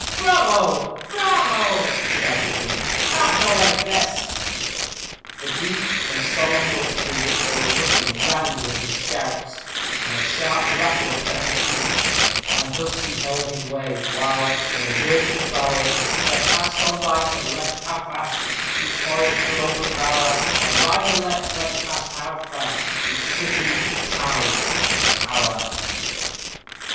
"Bravo! bravo!" shouted he, "hark away, Bess!" The deep and solemn woods through which they were rushing rang with his shouts, and the sharp rattle of Bess's hoofs; and thus he held his way, while, in the words of the ballad, Fled past, on right and left, how fast, Each forest, grove, and bower; On right and left, fled past, how fast, Each city, town, and tower.